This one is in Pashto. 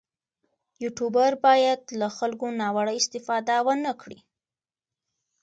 یوټوبر باید له خلکو ناوړه استفاده ونه کړي.